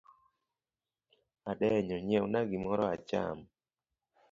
Adenyo nyiewna gimoro acham.